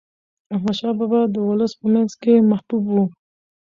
احمد شاه بابا د ولس په منځ کې محبوب و.